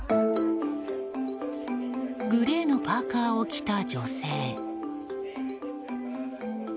グレーのパーカを着た女性。